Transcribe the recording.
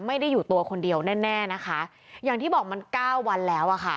ไม่ได้อยู่ตัวคนเดียวแน่แน่นะคะอย่างที่บอกมันเก้าวันแล้วอ่ะค่ะ